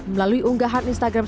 melalui unggahan instagram